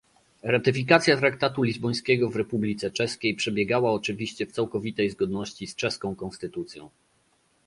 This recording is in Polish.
Ratyfikacja traktatu lizbońskiego w Republice Czeskiej przebiegała oczywiście w całkowitej zgodności z czeską konstytucją